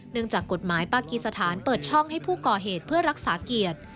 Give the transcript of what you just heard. จากกฎหมายปากีสถานเปิดช่องให้ผู้ก่อเหตุเพื่อรักษาเกียรติ